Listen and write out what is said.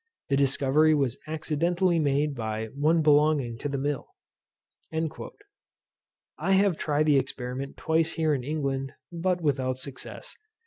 The discovery was accidentally made by one belonging to the mill." I have tried the experiment twice here in England, but without success.